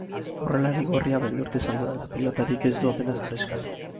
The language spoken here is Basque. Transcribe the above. Aurrelari gorria beldurti azaldu da eta pilotarik ez du apenas arriskatu.